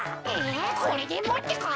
えこれでもってか。